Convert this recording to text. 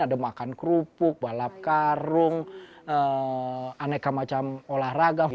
ada makan kerupuk balap karung aneka macam olahraga